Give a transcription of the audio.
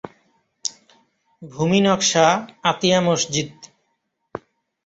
ভূমি নকশা, আতিয়া মসজিদ